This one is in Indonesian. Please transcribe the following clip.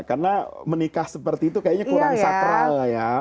karena menikah seperti itu kayaknya kurang sakral ya